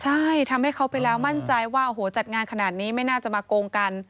ใช่ทำให้เขาไปแล้วมั่นใจว่าโอ้โหจัดงานขนาดนี้ไม่น่าจะมาโกงกัน